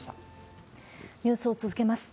ニュースを続けます。